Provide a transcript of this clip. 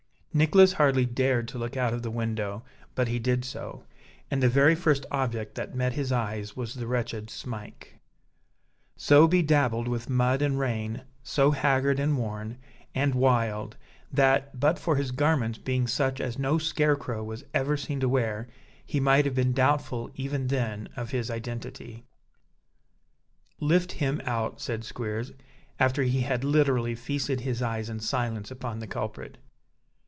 Nicholas hardly dared to look out of the window; but he did so, and the very first object that met his eyes was the wretched Smike; so bedabbled with mud and rain, so haggard and worn, and wild, that, but for his garments being such as no scarecrow was ever seen to wear, he might have been doubtful, even then, of his identity. "Lift him out," said Squeers, after he had literally feasted his eyes in silence upon the culprit.